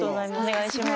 お願いします。